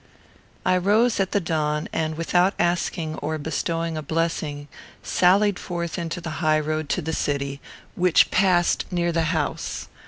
I rose at the dawn, and, without asking or bestowing a blessing, sallied forth into the highroad to the city, which passed near the house.